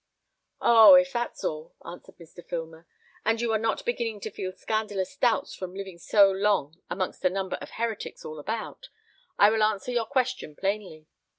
"Oh! if that's all," answered Mr. Filmer, "and you are not beginning to feel scandalous doubts from living so long amongst a number of heretics all about, I will answer your question plainly.